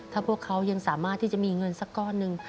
ถ้าพวกเขายังสามารถที่จะมีเงินสักก้อนหนึ่ง